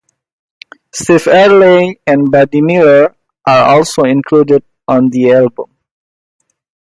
Steve Earle and Buddy Miller are also included on the album.